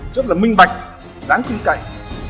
rất là minh bạch đáng chinh cạnh